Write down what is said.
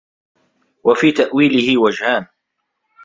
وَفِي تَأْوِيلِهِ وَجْهَانِ